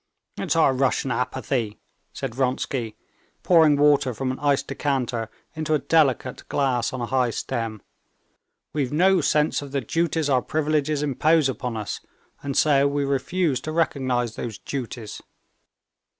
"It's our Russian apathy," said Vronsky, pouring water from an iced decanter into a delicate glass on a high stem; "we've no sense of the duties our privileges impose upon us, and so we refuse to recognize these duties."